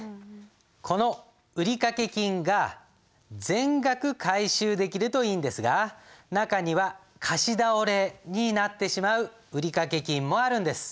この売掛金が全額回収できるといいんですが中には貸し倒れになってしまう売掛金もあるんです。